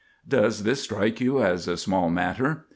Does this strike you as a small matter?